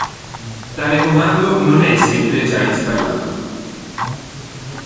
Tale comando non è sempre già installato.